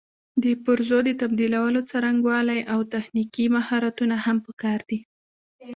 د پرزو د تبدیلولو څرنګوالي او نور تخنیکي مهارتونه هم پکار دي.